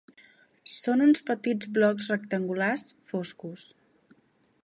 Són uns petits blocs rectangulars, foscos.